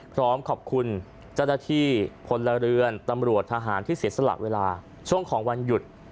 พร้อมขอบคุณเจ้าหน้าที่พลเรือนตำรวจทหารที่เสียสละเวลาช่วงของวันหยุด